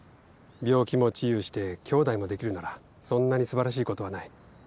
病気も治癒してきょうだいもできるならそんなに素晴らしいことはない。